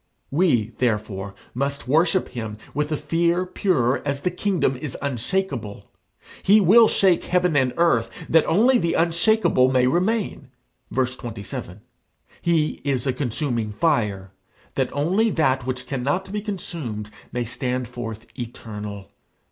We, therefore, must worship him with a fear pure as the kingdom is unshakeable. He will shake heaven and earth, that only the unshakeable may remain, (verse 27): he is a consuming fire, that only that which cannot be consumed may stand forth eternal.